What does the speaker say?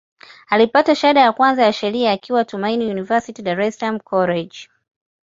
Alipata shahada ya kwanza ya Sheria akiwa Tumaini University, Dar es Salaam College.